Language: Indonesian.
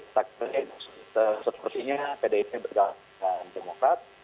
taksi sepertinya pdip bergabung dengan demokrat